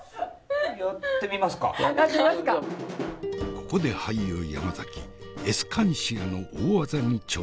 ここで俳優山崎エスカンシアの大技に挑戦。